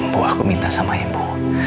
bu aku minta sama ibu